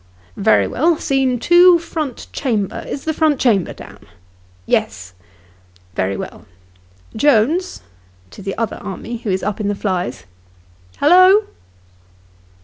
" Very well. Scene 2, front chamber. Is the front chamber down ?"" Yes." " Very well." " Jones " [to the other army who is up in the flies]. " Hallo